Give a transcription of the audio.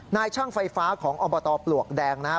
นายช่างไฟฟ้าของอมประตอบปลวกแดงนะฮะ